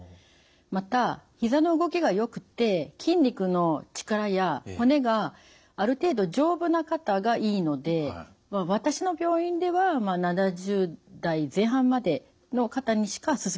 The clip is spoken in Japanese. またひざの動きがよくて筋肉の力や骨がある程度丈夫な方がいいので私の病院では７０代前半までの方にしか勧めていません。